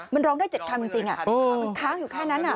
มันร้องได้๗คำจริงมันค้างอยู่แค่นั้น